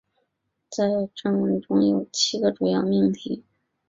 在正文中有七个主要命题。